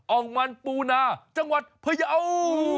องมันปูนาจังหวัดพยาว